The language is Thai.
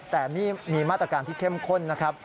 แต่นี่มีมาตรการที่เข้มข้นนะครับ